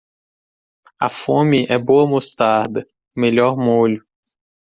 A fome é boa mostarda - o melhor molho